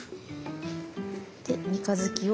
で三日月を。